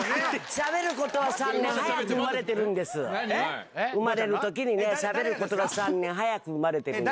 しゃべることは３年早く生ま何？生まれるときにね、しゃべることが３年早く生まれてるんです。